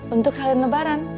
untuk kalian lebaran